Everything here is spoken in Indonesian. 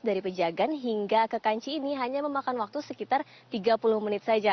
dari pejagan hingga ke kanci ini hanya memakan waktu sekitar tiga puluh menit saja